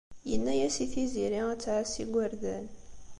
Yenna-as i Tiziri ad tɛass igerdan.